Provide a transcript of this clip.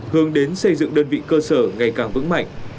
hướng đến xây dựng đơn vị cơ sở ngày càng vững mạnh